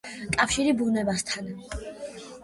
კავშირი ბუნებასთან.